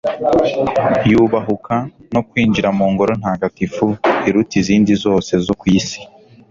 yubahuka no kwinjira mu ngoro ntagatifu iruta izindi zose zo ku isi